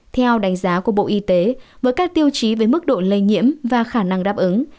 theo đánh giá của bộ y tế với các tiêu chí về mức độ lây nhiễm và khả năng đáp ứng